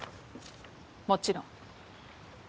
もちろん。